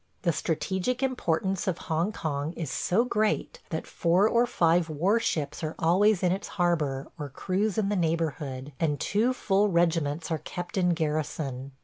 The strategic importance of Hong Kong is so great that four or five war ships are always in its harbor or cruise in the neighborhood, and two full regiments are kept in garrison.